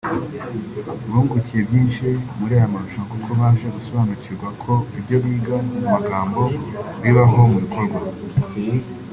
bungukiye byinshi muri aya marushanwa kuko baje gusobanukirwa ko ibyo biga mu magambo bibaho mu bikorwa